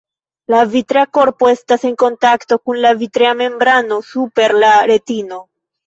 La vitrea korpo estas en kontakto kun la vitrea membrano super la retino.